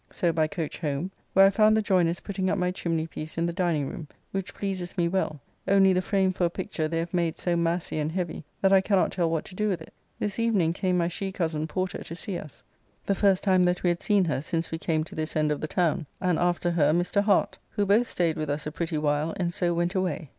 So by coach home, where I found the joyners putting up my chimney piece in the dining room, which pleases me well, only the frame for a picture they have made so massy and heavy that I cannot tell what to do with it. This evening came my she cozen Porter to see us (the first time that we had seen her since we came to this end of the town) and after her Mr. Hart, who both staid with us a pretty while and so went away.